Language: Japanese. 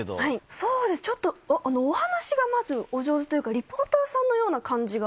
そうですね、ちょっとお話が、まずお上手というか、リポーターさんのような感じが。